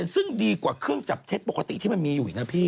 ซึ่งดีกว่าเครื่องจับเท็จปกติที่มันมีอยู่อีกนะพี่